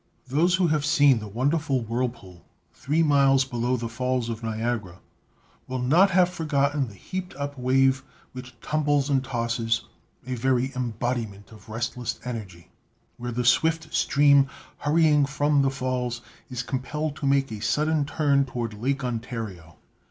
"Those who have seen the .wonderful whirlpool, three miles below the Falls of Niagara, will not have forgotten the heaped up wave which tumbles and tosses, a very em bodiment of restless energy, where the swift stream hurry ing from the Falls is compelled to make a sudden turn toward Lake Ontario.